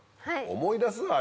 思い出す？